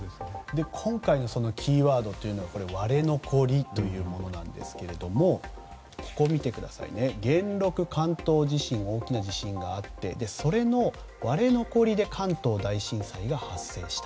今回のキーワードが割れ残りというものなんですが元禄関東地震という大きな地震があってそれの割れ残りで関東大震災が発生した。